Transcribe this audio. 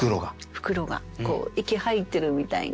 袋が息吐いてるみたいな。